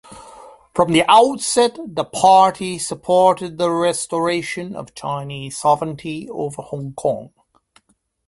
From the outset, the party supported the restoration of Chinese sovereignty over Hong Kong.